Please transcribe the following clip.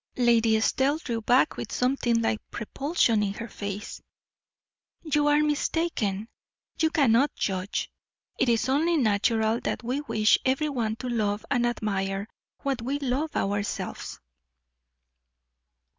Lady Estelle drew back with something like repulsion in her face. "You are mistaken; you cannot judge. It is only natural that we wish every one to love and admire what we love ourselves."